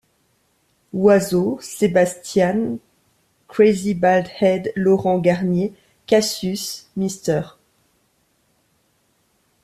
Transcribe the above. Oizo, SebastiAn, Krazy Baldhead, Laurent Garnier, Cassius, Mr.